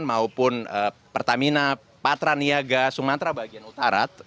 maupun pertamina patra niaga sumatra bagian utara